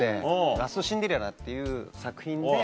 『ラスト・シンデレラ』っていう作品で。